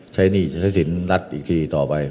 ใช้นี่ใช้สินรัดอีกทีต่อไป